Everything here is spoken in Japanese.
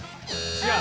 違う。